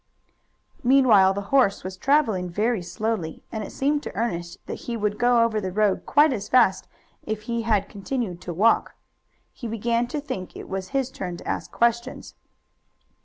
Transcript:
Meanwhile the horse was traveling very slowly, and it seemed to Ernest that he would go over the road quite as fast if he had continued to walk. He began to think it was his turn to ask questions.